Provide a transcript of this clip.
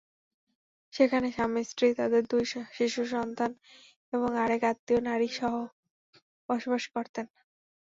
সেখানে স্বামী-স্ত্রী, তাঁদের দুই শিশুসন্তান এবং আরেক আত্মীয় নারী বসবাস করতেন।